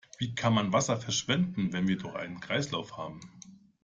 Wie kann man Wasser verschwenden, wenn wir doch einen Kreislauf haben?